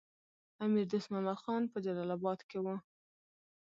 امیر دوست محمد خان په جلال اباد کې وو.